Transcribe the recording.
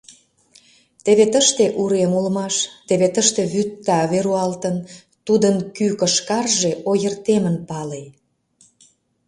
Теве тыште урем улмаш, теве тыште вӱд таве руалтын, тудын кӱ кышкарже ойыртемын пале.